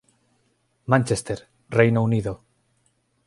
Manchester, Reino Unido.